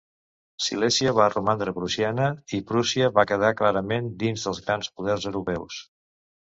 Silèsia va romandre prussiana, i Prússia va quedar clarament dins dels grans poders europeus.